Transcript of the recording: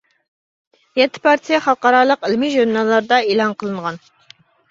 يەتتە پارچىسى خەلقئارالىق ئىلمى ژۇرناللاردا ئېلان قىلىنغان.